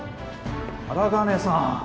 荒金さん。